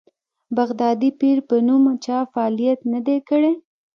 بغدادي پیر په نوم چا فعالیت نه دی کړی.